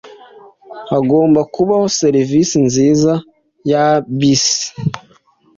Hagomba kubaho serivisi nziza ya bisi.